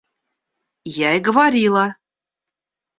Я и говорила!